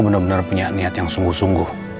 kau bener bener punya niat yang sungguh sungguh